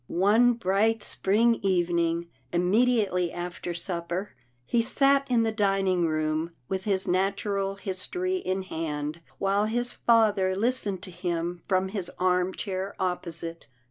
One bright, spring evening, immediately after supper, he sat in the dining room with his natural history in hand, while his father listened to him from his arm chair opposite.